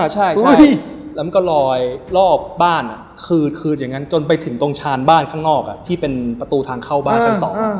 ใช่แล้วมันก็ลอยรอบบ้านคืนอย่างนั้นจนไปถึงตรงชานบ้านข้างนอกที่เป็นประตูทางเข้าบ้านชั้น๒